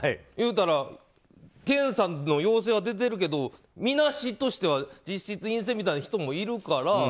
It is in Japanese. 言うたら検査で陽性は出てるけどみなしとしては実質、陰性みたいな人もいるから。